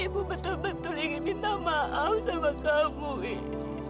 ibu betul betul ingin minta maaf sama kamu ini